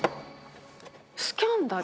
スキャンダル？